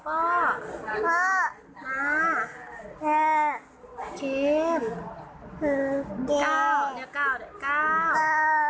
โอ้นี่พุ่งนี่